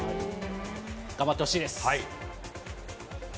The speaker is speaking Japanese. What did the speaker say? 頑張ってほしいです。